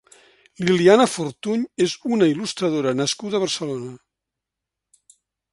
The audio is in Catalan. Liliana Fortuny és una il·lustradora nascuda a Barcelona.